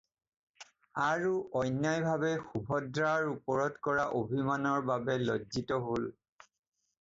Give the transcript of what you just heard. আৰু অন্যায় ভাবে সুভদ্ৰাৰ ওপৰত কৰা অভিমানৰ বাবে লজ্জিত হ'ল।